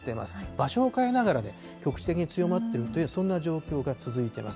場所を変えながら、局地的に強まってるって、そんな状況が続いてます。